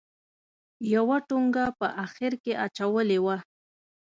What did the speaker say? یوه ټونګه په اخره کې اچولې وه.